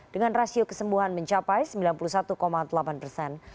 dengan rasio kesembuhan mencapai sembilan puluh satu delapan persen